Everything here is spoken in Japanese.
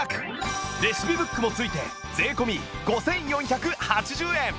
レシピブックも付いて税込５４８０円